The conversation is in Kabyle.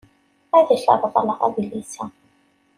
Ad ak-reḍleɣ adlis-a.